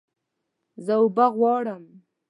زه اوبه غواړم